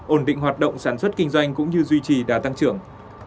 ổn định hoạt động sản xuất kinh doanh cũng như duy trì đà tăng trưởng